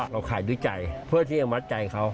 เราขายด้วยใจเพื่อที่จะมัดใจเขา